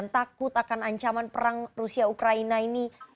takut akan ancaman perang rusia ukraina ini